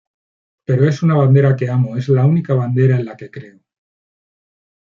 Pero es una bandera que amo, es la única bandera en la que creo.